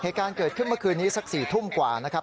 เหตุการณ์เกิดขึ้นเมื่อคืนนี้สัก๔ทุ่มกว่านะครับ